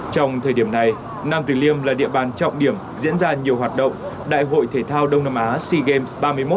trong thời điểm này nam tử liêm là địa bàn trọng điểm diễn ra nhiều hoạt động đại hội thể thao đông nam á sea games ba mươi một